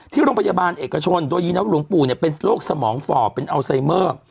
ที่โรงพยาบาลเอกชนโดยยืนยันว่าหลวงปู่เป็นโรคสมองฝ่อเป็นอัลไซเมอร์